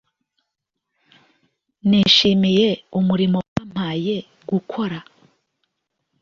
nishimiye’ umurimo wampaye gukora